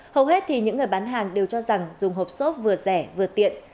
hầu hết thì những người bán hàng đều cho rằng dùng hộp xốp vừa rẻ vừa tiện